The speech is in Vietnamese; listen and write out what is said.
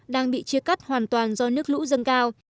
đang bị chia cắt hoàn toàn do nước lũ dâng cao